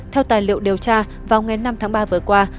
theo tài liệu điều tra vào ngày năm tháng ba vừa qua